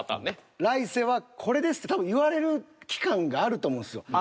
来世はこれです」って多分言われる期間があると思うんですよ。